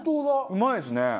うまいですね。